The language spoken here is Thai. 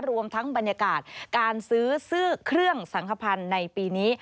รวมทั้งบรรยากาศการซื้อซื้อเครื่องสังขพันธ์ในปีนี้